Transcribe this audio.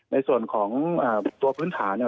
ในส่วนของตัวพื้นฐานเนี่ย